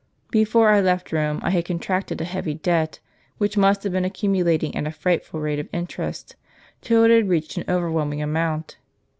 Before I left Rome I had contracted a heavy debt, which must have been accumulating at a frightful rate of interest, till it had reached an overwhelming amount.